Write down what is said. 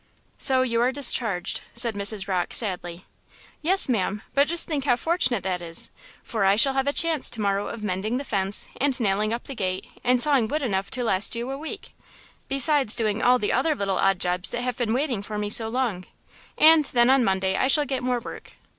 "So you are discharged?" said Mrs. Rocke, sadly. "Yes, ma'am; but just think how fortunate that is, for I shall have a chance to morrow of mending the fence and nailing up the gate and sawing wood enough to last you a week, besides doing all the other little odd jobs that have been waiting for me so long; and then on Monday I shall get more work."